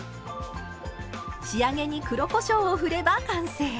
仕上げに黒こしょうを振れば完成。